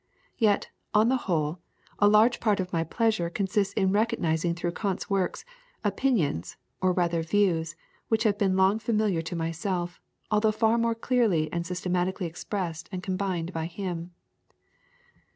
Yet, on the whole, a large part of my pleasure consists in recognising through Kant's works, opinions, or rather views, which have been long familiar to myself, although far more clearly and systematically expressed and combined by him.